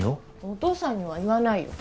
お父さんには言わないよ